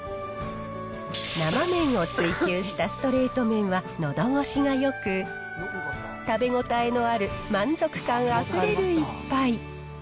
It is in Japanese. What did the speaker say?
生麺を追求したストレート麺はのどごしがよく、食べ応えのある満足感あふれる一杯。